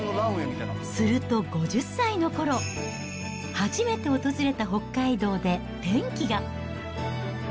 すると５０歳のころ、初めて訪れた北海道で転機が。